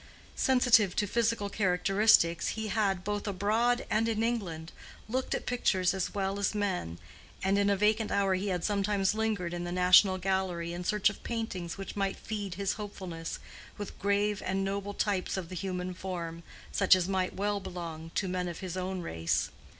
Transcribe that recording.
Sensitive to physical characteristics, he had, both abroad and in England, looked at pictures as well as men, and in a vacant hour he had sometimes lingered in the National Gallery in search of paintings which might feed his hopefulness with grave and noble types of the human form, such as might well belong to men of his own race.